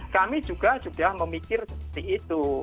kami juga sudah memikir seperti itu